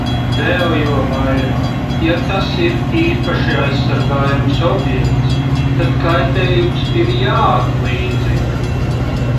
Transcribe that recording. Vēl jo vairāk, ja tas ir īpaši aizsargājams objekts, tad kaitējums ir jāatlīdzina.